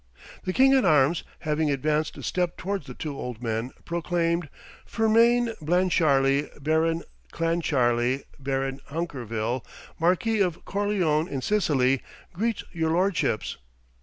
The King at Arms having advanced a step towards the two old men, proclaimed "Fermain Clancharlie, Baron Clancharlie, Baron Hunkerville, Marquis of Corleone in Sicily, greets your lordships!"